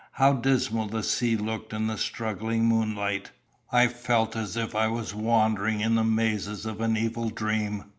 How dismal the sea looked in the struggling moonlight! I felt as if I were wandering in the mazes of an evil dream.